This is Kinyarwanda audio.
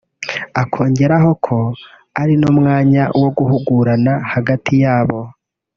akongeraho ko ari n’umwanya wo guhugurana hagati yabo